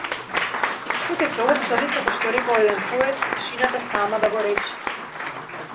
Што ќе се остави како што рекол еден поет тишината сама да го рече.